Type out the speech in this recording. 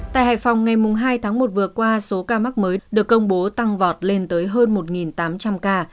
tại hải phòng ngày hai tháng một vừa qua số ca mắc mới được công bố tăng vọt lên tới hơn một tám trăm linh ca